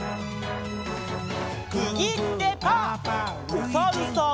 おさるさん。